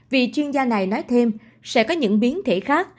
vì chuyên gia này nói thêm sẽ có những biến thể khác